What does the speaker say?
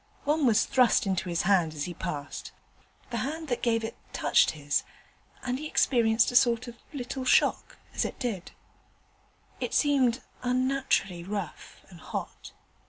One was thrust into his hand as he passed: the hand that gave it touched his, and he experienced a sort of little shock as it did so. It seemed unnaturally rough and hot.